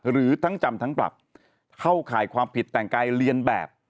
หรือทั้งจำทั้งปรับเข้าข่ายความผิดแต่งกายเรียนแบบ